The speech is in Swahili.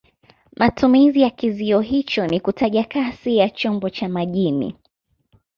Matumizi ya kizio hicho ni kutaja kasi ya chombo cha majini.